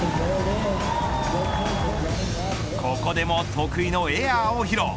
ここでも得意のエアーを披露。